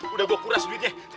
udah gue kuras duitnya